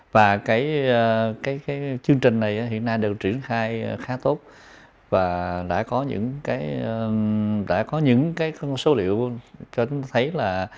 và cái chương trình này hiện nay đều triển khai khá tốt và đã có những cái số liệu cho chúng ta thấy là